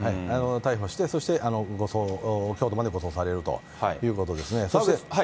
逮捕して、そして護送、京都まで護送されるということですね。